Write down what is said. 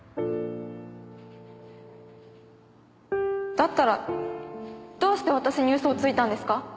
だったらどうして私に嘘をついたんですか？